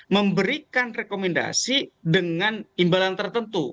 memberikan rekomendasi dengan imbalan tertentu